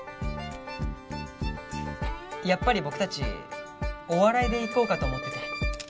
やっぱり僕たちお笑いでいこうかと思ってて。